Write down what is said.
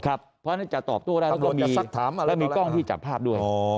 เพราะฉะนั้นจะตอบโต้ได้แล้วก็มีกล้องที่จับภาพด้วย